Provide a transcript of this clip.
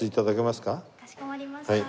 かしこまりました。